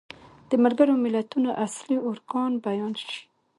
د ملګرو ملتونو اصلي ارکان بیان شي.